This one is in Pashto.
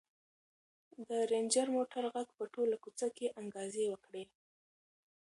د رنجر موټر غږ په ټوله کوڅه کې انګازې وکړې.